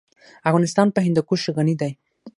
افغانستان په هندوکش غني دی.